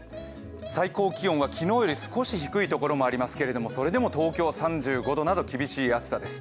最高気温は昨日より少し低いところもありますけれどもそれでも東京は３５度など厳しい暑さです。